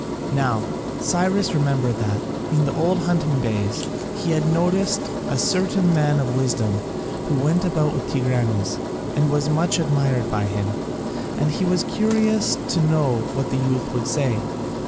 Now Cyrus remembered that, in the old hunting days, he had noticed a certain man of wisdom who went about with Tigranes and was much admired by him, and he was curious to know what the youth would say.